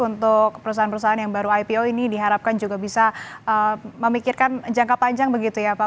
untuk perusahaan perusahaan yang baru ipo ini diharapkan juga bisa memikirkan jangka panjang begitu ya pak